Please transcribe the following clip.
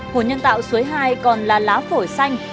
hồ nhân tạo suối hai còn là lá phổi xanh